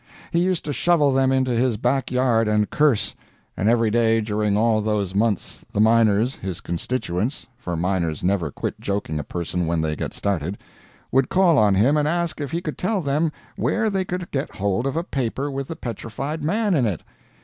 He used to shovel them into his back yard and curse. And every day during all those months the miners, his constituents (for miners never quit joking a person when they get started), would call on him and ask if he could tell them where they could get hold of a paper with the Petrified Man in it.